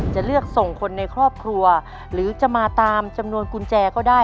จะเลือกส่งคนในครอบครัวหรือจะมาตามจำนวนกุญแจก็ได้